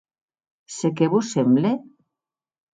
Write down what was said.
Se qué vos semble?